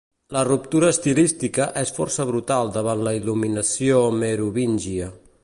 La ruptura estilística és força brutal davant la il·luminació merovíngia.